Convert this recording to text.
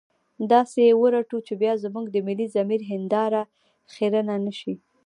داسې يې ورټو چې بيا زموږ د ملي ضمير هنداره خيرنه نه شي.